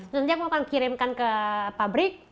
tentunya aku akan kirimkan ke pabrik